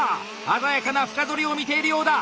鮮やかな深ぞりを見ているようだ！